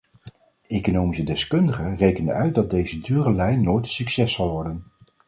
Economische deskundigen rekenden uit dat deze dure lijn nooit een succes zal worden.